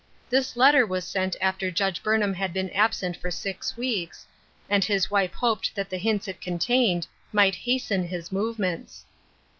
This letter was sent after Judge Burnham had been absent for six weeks, and his wife hoped that the hints it con tained might hasten his movements.